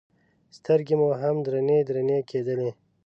سترګې مو هم درنې درنې کېدلې.